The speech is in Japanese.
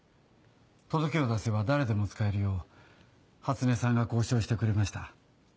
届けを出せば誰でも使えるよう初音さんが交渉してくれました。